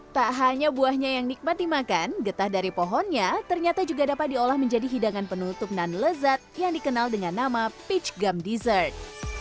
tak hanya buahnya yang nikmat dimakan getah dari pohonnya ternyata juga dapat diolah menjadi hidangan penutup dan lezat yang dikenal dengan nama peach gum dessert